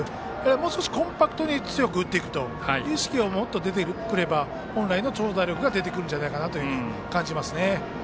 もうちょっとコンパクトに強く打っていくという意識がもっと出てくれば本来の長打力が出てくるんじゃないかなと感じますね。